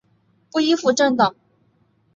不依附政党！